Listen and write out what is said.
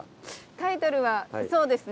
タイトルはそうですね。